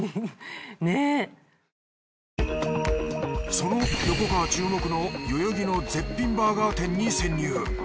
その横川注目の代々木の絶品バーガー店に潜入。